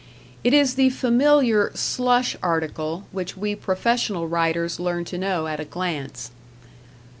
It is the familiar "slush" article which we professional writers learn to know at a glance.